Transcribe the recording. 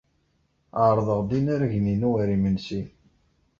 Ɛerḍeɣ-d inaragen-inu ɣer yimensi.